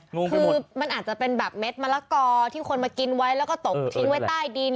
คือมันอาจจะเป็นแบบเม็ดมะละกอที่คนมากินไว้แล้วก็ตกทิ้งไว้ใต้ดิน